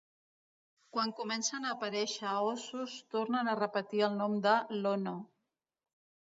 Quan comencen a aparèixer ossos tornen a repetir el nom de Lono.